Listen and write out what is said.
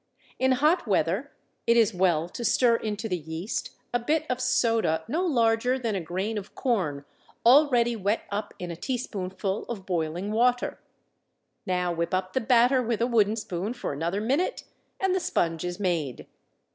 In hot weather, it is well to stir into the yeast a bit of soda no larger than a grain of corn already wet up in a teaspoonful of boiling water. Now whip up the batter with a wooden spoon for another minute, and the sponge is made.